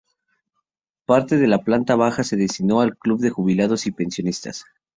Parte de la planta baja se destinó al Club de Jubilados y Pensionistas.